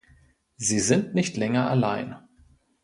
Sie sind nicht länger allein!